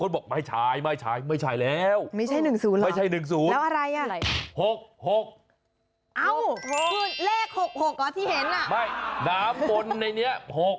เลข๖๖หรอที่เห็นอ่ะไม่หนามบนในนี้๖